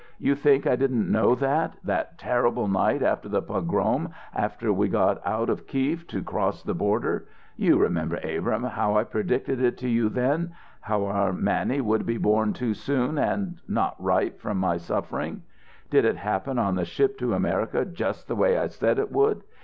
You think I didn't know that that terrible night after the pogrom after we got out of Kief to cross the border! You remember, Abrahm, how I predicted it to you then how our Mannie would be born too soon and and not right from my suffering? Did it happen on the ship to America just the way I said it would?